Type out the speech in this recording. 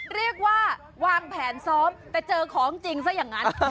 เรียกว่าวางแผนซ้อมแต่เจอของจริงซะอย่างนั้น